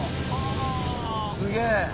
すげえ。